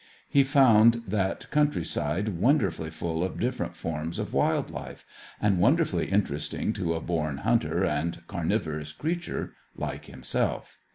He found that countryside wonderfully full of different forms of wild life, and wonderfully interesting to a born hunter and carnivorous creature like himself.